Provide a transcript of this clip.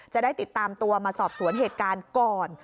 จะได้ติดตามตัวมาสอบสวนเหตุการณ์ก่อน